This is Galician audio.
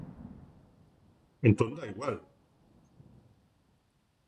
Entón dá igual.